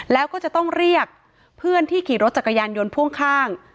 แล้วก็จะต้องเรียกเพื่อนที่ขี่รถจักรยานยนต์พ่วงข้าง